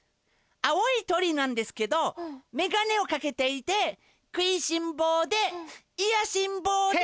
青いとりなんですけどめがねをかけていてくいしんぼうでいやしんぼうで。